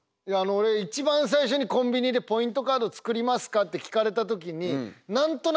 俺一番最初にコンビニで「ポイントカード作りますか？」って聞かれた時に何となく断ってもうて。